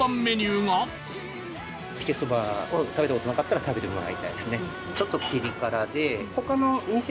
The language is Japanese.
つけそば食べた事なかったら食べてもらいたいですね。